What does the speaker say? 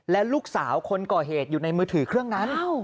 และลูกสาวคนก่อเหตุอยู่ในมือถือเครื่องนั้น